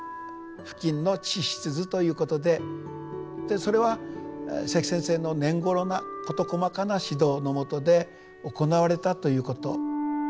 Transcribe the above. でそれは関先生のねんごろな事細かな指導のもとで行われたということ。